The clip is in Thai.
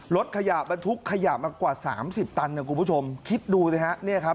รถขยะบรรทุกขยะมากว่าสามสิบตันนะคุณผู้ชมคิดดูสิฮะเนี่ยครับ